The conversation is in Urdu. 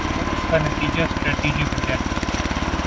اگر اس کا نتیجہ سٹریٹجک ڈیپتھ